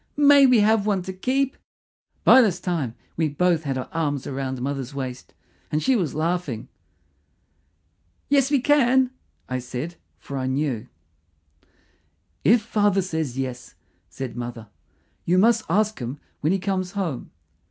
"May we have one to keep?" By this time we both had our arms round mother's waist, and she was laughing. "Yes, we can," I said, for I knew. "If father says yes," said mother. "You must ask him when he comes home."